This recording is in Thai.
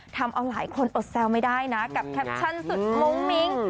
ทำเอาหลายคนอดแซวไม่ได้นะกับแคปชั่นสุดม้งมิ้ง